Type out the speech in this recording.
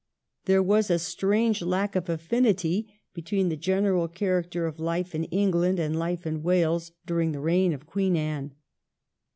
There was a strange lack of affinity between the general character of life in England and life in Wales during the reign of Queen Anne.